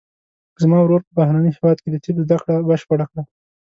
زما ورور په بهرني هیواد کې د طب زده کړه بشپړه کړه